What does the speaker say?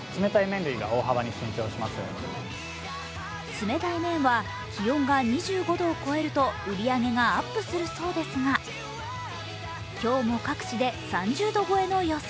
冷たい麺は気温が２５度を超えると売り上げがアップするそうですが今日も各地で３０度超えの予想。